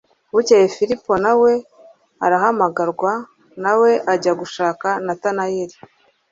Bukeye Filipo na we arahamagarwa na we ajya gushaka Natanaeli.